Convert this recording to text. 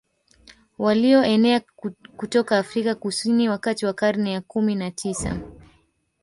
Walioenea kutoka Afrika Kusini wakati wa karne ya kumi na tisa